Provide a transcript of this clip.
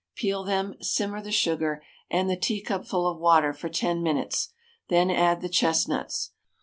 Peel them; simmer the sugar and the teacupful of water for 10 minutes, then add the chestnuts.